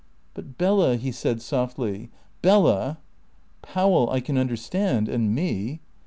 "But Bella," he said softly "Bella. Powell I can understand and me."